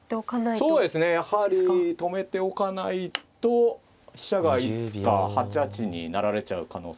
そうですねやはり止めておかないと飛車がいつか８八に成られちゃう可能性があるので。